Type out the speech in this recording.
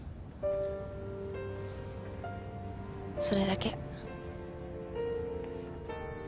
それだけ。